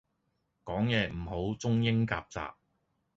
講野唔好中英夾雜